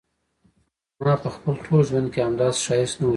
ما په خپل ټول ژوند کې همداسي ښایست نه و ليدلی.